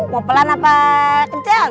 mau pelan apa kenceng